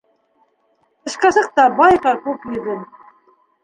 Тышҡа сыҡ та байҡа күк йөҙөн.